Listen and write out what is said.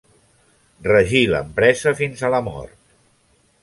Regí l'empresa fins a la mort.